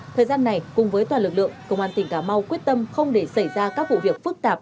thời gian này cùng với toàn lực lượng công an tỉnh cà mau quyết tâm không để xảy ra các vụ việc phức tạp